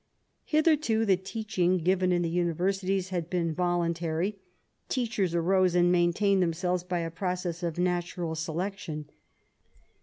Hitherto the teaching given in the imiversities had been voluntary; teachers arose and maintained themselves by a process of natural selection.